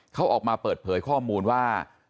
เขาออกมาเปิดเผยข้อมูลว่า